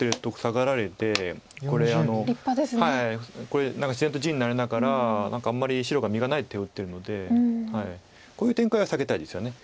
これ何か自然と地になりながら何かあんまり白が実がない手を打ってるのでこういう展開は避けたいですよね。